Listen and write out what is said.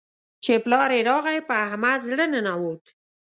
چې پلار يې راغی؛ په احمد زړه ننوت.